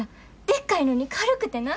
でっかいのに軽くてな。